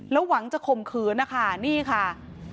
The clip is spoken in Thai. หวังจะข่มขืนนะคะนี่ค่ะ